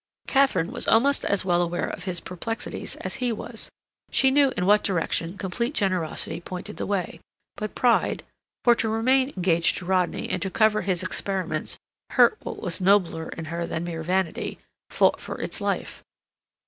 Katharine was almost as well aware of his perplexities as he was. She knew in what direction complete generosity pointed the way; but pride—for to remain engaged to Rodney and to cover his experiments hurt what was nobler in her than mere vanity—fought for its life.